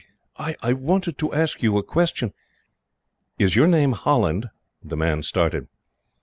"I want to ask you a question," he said. "Is your name Holland?" The man started.